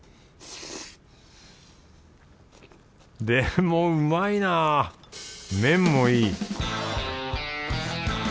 でもうまいなぁ麺もいい